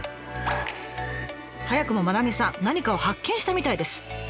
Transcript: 早くも真七水さん何かを発見したみたいです。